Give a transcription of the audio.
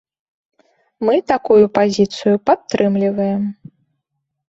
Мы такую пазіцыю падтрымліваем.